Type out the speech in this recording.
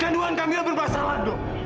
kandungan kami berbasalan dok